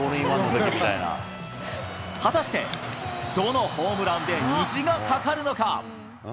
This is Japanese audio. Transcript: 果たしてどのホームランで虹がかかるのか。